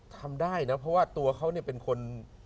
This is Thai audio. ทำได้นะเพราะว่าตัวเขาเนี่ยเป็นคน